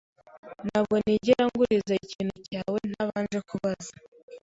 Ntabwo nigera nguriza ikintu cyawe ntabanje kubaza.